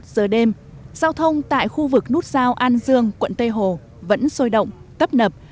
hai mươi một giờ đêm giao thông tại khu vực nút sao an dương quận tây hồ vẫn sôi động tấp nập